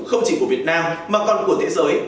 không chỉ của việt nam mà còn của thế giới